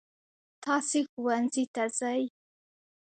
تاسې ښوونځي ته ځئ.